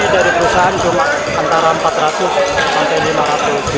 dari perusahaan cuma antara empat ratus sampai lima ratus